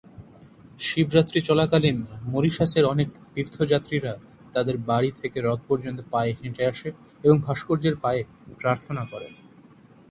শিবরাত্রি চলাকালীন, মরিশাসের অনেক তীর্থযাত্রীরা তাদের বাড়ি থেকে হ্রদ পর্যন্ত পায়ে হেঁটে আসে এবং ভাস্কর্যের পায়ে প্রার্থনা করে।